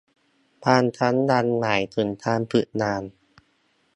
บางครั้งยังหมายถึงการฝึกงาน